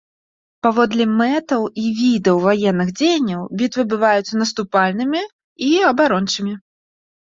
Паводле мэтаў і відаў ваенных дзеянняў бітвы бываюць наступальнымі і абарончымі.